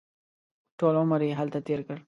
ټول عمر یې هلته تېر کړ.